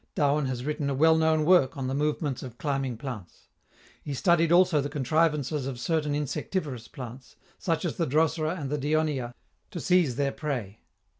Darwin has written a well known work on the movements of climbing plants. He studied also the contrivances of certain insectivorous plants, such as the Drosera and the Dionaea, to seize their prey.